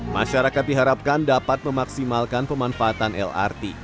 masyarakat diharapkan dapat memaksimalkan pemanfaatan lrt